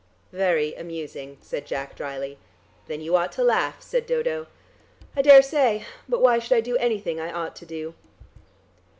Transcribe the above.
"Very amusing," said Jack drily. "Then you ought to laugh," said Dodo. "I daresay. But why should I do anything I ought to do?"